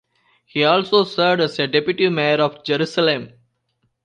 He also served as deputy mayor of Jerusalem.